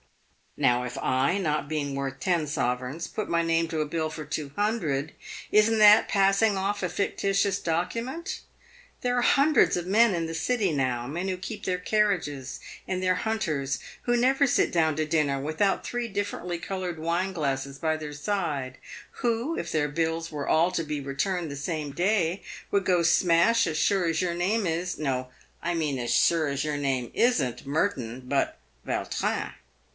Now if I, not being worth ten sovereigns, put my name to a bill for two hundred, isn't that passing off a ficti tious document ? There are hundreds of men in the City now, men who keep their carriages and their hunters, who never sit down to dinner without three differently coloured wine glasses by their side, who, if their bills were all to be returned the same day, would go PAVED WITH GOLD. 367 smash as sure as your name is — no, I mean as sure as your name isn't Merton, but Vautrin.